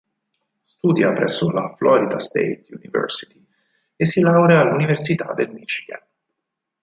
Studia presso la Florida State University e si laurea all'Università del Michigan.